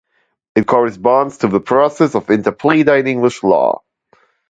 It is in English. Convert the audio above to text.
It corresponds to the process of interpleader in English law.